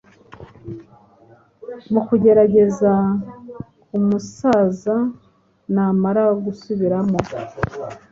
mu kugerageza ku musaza namara gusubira mo